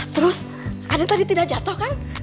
terus aden tadi tidak jatuh kan